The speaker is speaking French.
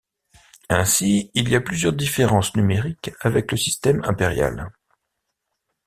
Ainsi, il y a plusieurs différences numériques avec le système impérial.